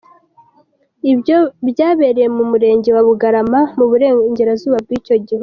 Ibyo byabereye mu murenge wa Bugarama mu Burengerazuba bw’icyo gihugu.